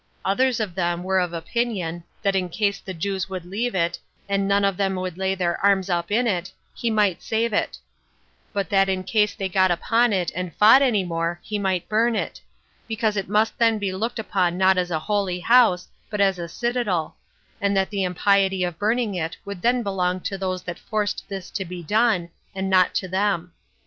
Others of them were of opinion, that in case the Jews would leave it, and none of them would lay their arms up in it, he might save it; but that in case they got upon it, and fought any more, he might burn it; because it must then be looked upon not as a holy house, but as a citadel; and that the impiety of burning it would then belong to those that forced this to be done, and not to them.